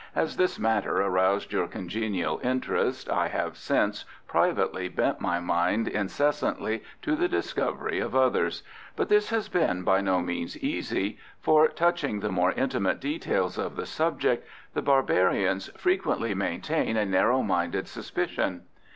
As this matter aroused your congenial interest, I have since privately bent my mind incessantly to the discovery of others; but this has been by no means easy, for, touching the more intimate details of the subject, the barbarians frequently maintain a narrow minded suspicion.